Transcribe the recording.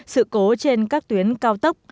sự cố trên các tuyến cao tốc